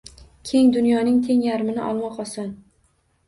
Keng dunyoning teng yarmini olmoq oson.